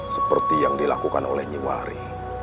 seperti yang dilakukan oleh nyewari